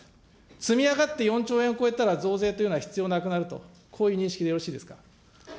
積み上がって４兆円を超えたら、増税というのは必要なくなると、こういう認識でよろしいですか。